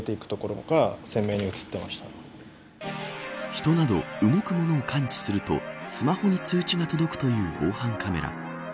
人など動く物を感知するとスマホに通知が届くという防犯カメラ。